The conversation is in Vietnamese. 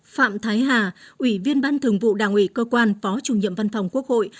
phạm thái hà ủy viên ban thường vụ đảng ủy cơ quan phó chủ nhiệm văn phòng quốc hội